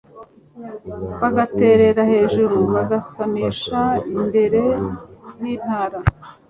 bagaterera hejuru, bagasamisha imbere h’intara